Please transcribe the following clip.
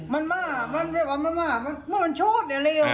มันมามันเรียกว่ามันมามันมันโชษแหละเลยอ่ะ